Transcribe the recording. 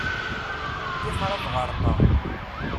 Ṭṭixer ad ɣerqeɣ.